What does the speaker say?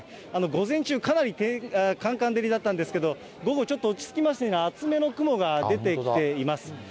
午前中、かなりかんかん照りだったんですけれども、午後、ちょっと落ち着きましてね、厚めの雲が出てきています。